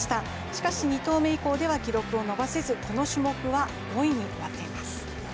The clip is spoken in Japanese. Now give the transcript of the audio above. しかし、２投目以降では記録を伸ばせず、この記録は５位に終わっています。